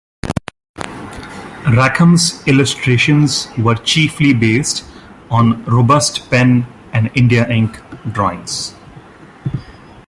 Rackham's illustrations were chiefly based on robust pen and India ink drawings.